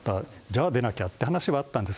じゃあ、出なきゃって話はあったんで。